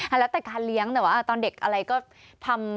แล้วแต่การเลี้ยงแต่ว่าตอนเด็กอะไรก็ทำ